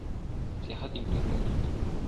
صحت يو ډير لوئ نعمت دی.